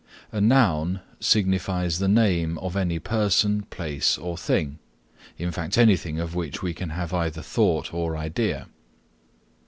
A Noun signifies the name of any person, place or thing, in fact, anything of which we can have either thought or idea.